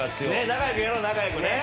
仲良くやろう仲良くね。